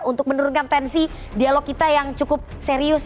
untuk menurunkan tensi dialog kita yang cukup serius